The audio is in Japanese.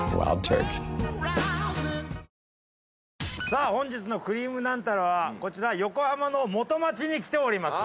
さあ本日の『くりぃむナンタラ』はこちら横浜の元町に来ております。